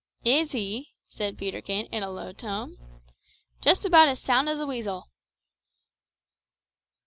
"Is he?" said Peterkin in a low tone. "Just about as sound as a weasel!"